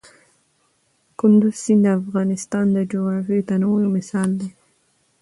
کندز سیند د افغانستان د جغرافیوي تنوع یو مثال دی.